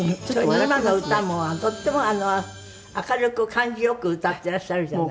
今の歌もとっても明るく感じ良く歌っていらっしゃるじゃない。